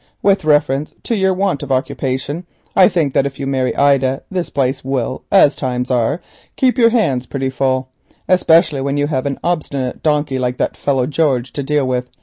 With reference to your want of occupation, I think that if you marry Ida this place will, as times are, keep your hands pretty full, especially when you have an obstinate donkey like that fellow George to deal with.